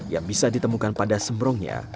yang bisa ditemukan pada sembrongnya